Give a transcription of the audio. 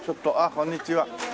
こんにちは。